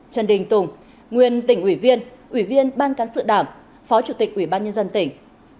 trần đình tùng nguyên tỉnh ủy viên ủy viên ban cán sự đảng phó chủ tịch ủy ban nhân dân tỉnh